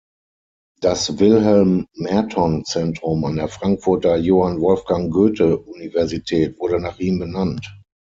Das Wilhelm-Merton-Zentrum an der Frankfurter Johann-Wolfgang-Goethe-Universität wurde nach ihm benannt.